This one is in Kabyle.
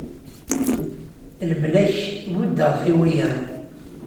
Lebla-k buddeɣ-t i wiyyaḍ.